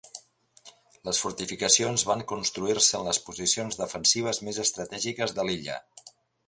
Les fortificacions van construir-se en les posicions defensives més estratègiques de l'illa.